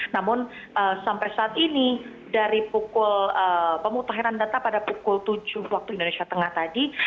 namun sampai saat ini dari pukul pemutahiran data pada pukul tujuh waktu indonesia tengah tadi